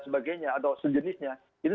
sebagainya atau sejenisnya itu